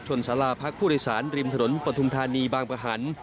สาราพักผู้โดยสารริมถนนปฐุมธานีบางประหัน